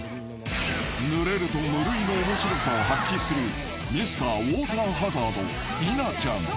［ぬれると無類の面白さを発揮するＭｒ．ウォーターハザード稲ちゃん］